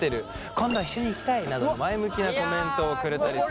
「今度一緒に行きたい！」などの前向きなコメントをくれたりする。